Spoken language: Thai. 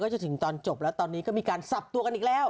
จะถึงตอนจบแล้วตอนนี้ก็มีการสับตัวกันอีกแล้ว